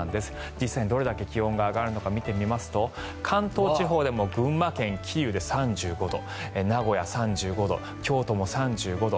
実際にどれだけ気温が上がるのか見てみますと関東地方でも群馬県桐生で３５度名古屋、３５度京都も３５度。